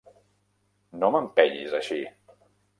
No m'empenyis així!